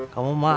kamu mah aneh kum